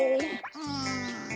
うん。